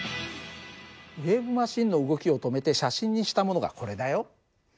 ウエーブマシンの動きを止めて写真にしたものがこれだよ。